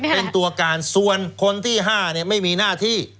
เป็นตัวการส่วนคนที่๕ไม่มีหน้าที่